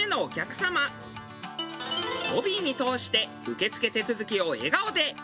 ロビーに通して受け付け手続きを笑顔で。